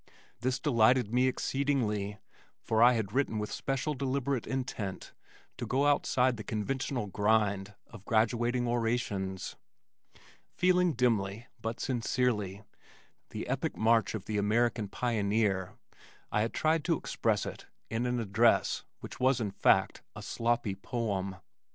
This delighted me exceedingly, for I had written with special deliberate intent to go outside the conventional grind of graduating orations. Feeling dimly, but sincerely, the epic march of the American pioneer I had tried to express it in an address which was in fact a sloppy poem.